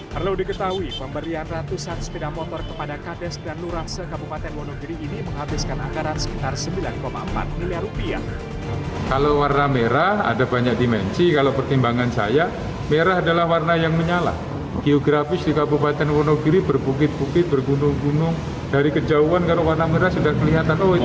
harlo diketahui pemberian ratusan sepeda motor kepada kades dan lurah sekabupaten wonogiri ini menghabiskan akaran sekitar sembilan empat miliar rupiah